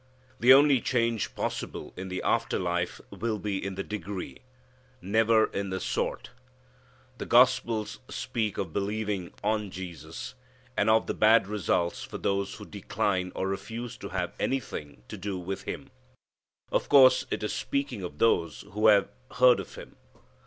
The only change possible in the after life will be in the degree. Never in the sort. The Gospels speak of believing on Jesus, and of the bad results for those who decline or refuse to have anything to do with Him. Of course it is speaking of those who have heard of Him.